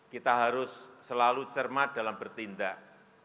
kita harus selalu cermat dalam bertindak